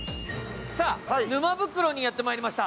沼袋にやってまいりました。